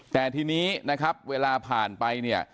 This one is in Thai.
แต่ทีนี้นะครับเวลาผ่านไปเนี่ย